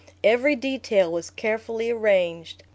Every detail was carefully arranged.